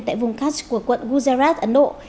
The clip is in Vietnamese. tại vùng kach của quận gujarat ấn độ